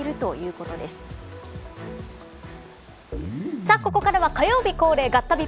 ここからは火曜日恒例ガッタビ！！